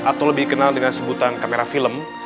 atau lebih kenal disebutan kamera film